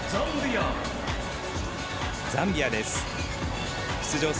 ザンビアです。